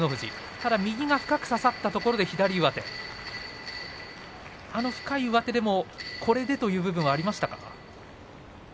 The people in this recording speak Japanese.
ただ右が深く差さったところで左上手、あの深い上手でもこれでという部分はありましたか。